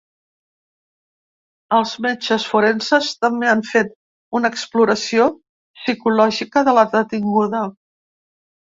Els metges forenses també han fet una exploració psicològica de la detinguda.